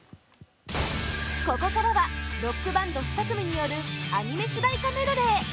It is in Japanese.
ここからはロックバンド２組によるアニメ主題歌メドレー